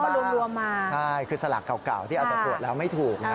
ใช่คือสลักเก่าที่เอาจากตรวจแล้วไม่ถูกนะ